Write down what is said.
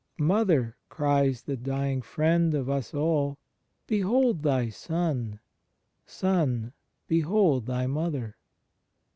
"Mother," cries the dying Friend of us all, "behold thy son. Son, behold thy Mother!"